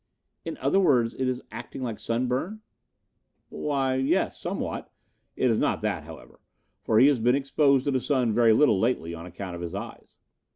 "In other words, it is acting like sunburn?" "Why, yes, somewhat. It is not that, however, for he has been exposed to the sun very little lately, on account of his eyes."